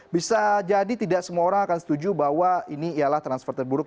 bisa jadi tidak semua orang akan setuju bahwa ini ialah transfer terburuk